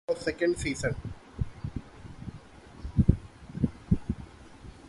His character was killed in the penultimate episode of the second season.